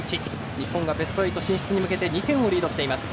日本がベスト８進出に向けて２点をリードしています。